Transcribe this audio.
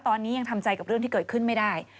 ตอนนี้ยังทำใจกับเรื่องที่เกิดขึ้นไม่ได้